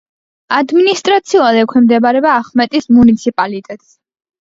ადმინისტრაციულად ექვემდებარება ახმეტის მუნიციპალიტეტს.